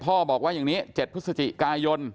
บอกว่าอย่างนี้๗พฤศจิกายน